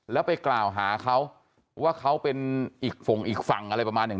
แล้วไปกล่าวหาเขาว่าเขาเป็นอีกฝั่งอีกฝั่งอะไรประมาณอย่าง